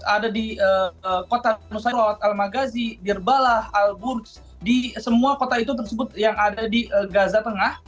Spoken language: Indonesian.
ada di kota nusayr al magazi birbalah al burgh di semua kota itu tersebut yang ada di gaza tengah